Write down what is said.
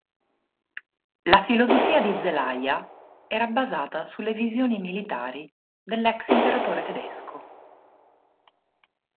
La filosofia di Zelaya era basata sulle visioni militari dell'ex imperatore tedesco.